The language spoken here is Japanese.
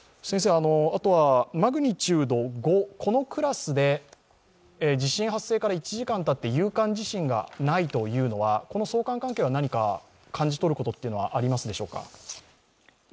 マグニチュード５、このクラスで地震発生から１時間たって有感地震がないというのは、この相関関係は何か感じ取ることはありますでしょうか？